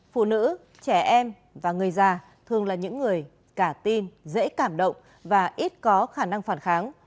phụ nữ trẻ em và người già thường là những người cả tin dễ cảm động và ít có khả năng phản kháng